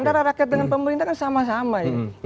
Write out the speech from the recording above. karena rakyat dengan pemerintah kan sama sama ya